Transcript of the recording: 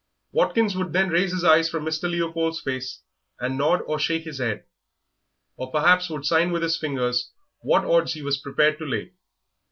Watkins would then raise his eyes from Mr. Leopold's face and nod or shake his head, or perhaps would sign with his fingers what odds he was prepared to lay.